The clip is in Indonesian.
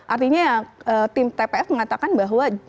artinya tim tpf mengatakan bahwa